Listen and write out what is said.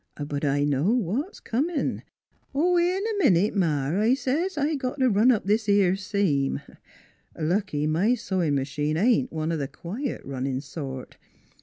But I know what's comin'. * In a minute, Ma,' I say. 178 NEIGHBORS * I got t' run up this 'ere seam.' Lucky my sewin' m'chine ain't one of th' quiet runnin' sort.